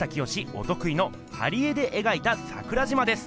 おとくいの貼り絵でえがいた桜島です。